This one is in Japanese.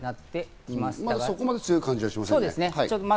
まだそこまで強い感じはしませんね。